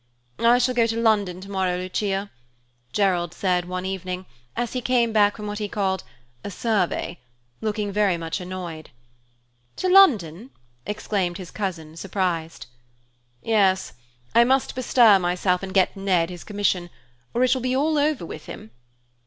"I shall go to London tomorrow, Lucia," Gerald said one evening, as he came back from what he called "a survey," looking very much annoyed. "To London?" exclaimed his cousin, surprised. "Yes, I must bestir myself and get Ned his commission, or it will be all over with him."